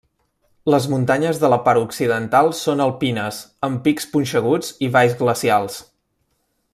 Les muntanyes de la part occidental són alpines, amb pics punxeguts i valls glacials.